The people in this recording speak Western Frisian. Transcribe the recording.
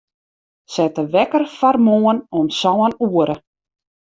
Set de wekker foar moarn om sân oere.